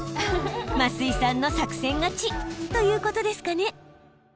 増井さんの作戦勝ち！ということですかね。